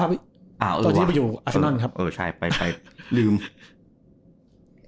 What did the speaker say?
ตอนที่เป็นผู้ชาญให้สามารถอาฟเซนนอนบิร์น